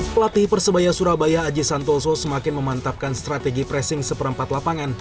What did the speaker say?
pelatih persebaya surabaya aji santoso semakin memantapkan strategi pressing seperempat lapangan